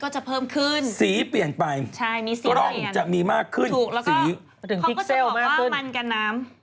ใช่มีสีเปลี่ยนถูกแล้วก็เขาก็จะบอกว่ามันกันน้ำ